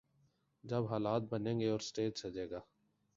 جب حالات بنیں گے اور سٹیج سجے گا۔